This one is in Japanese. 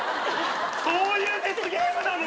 そういうデスゲームなの？